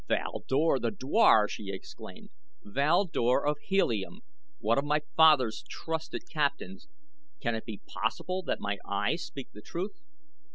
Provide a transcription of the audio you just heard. "Val Dor, the dwar!" she exclaimed. "Val Dor of Helium one of my father's trusted captains! Can it be possible that my eyes speak the truth?"